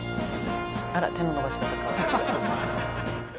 あら手の伸ばし方かわいい。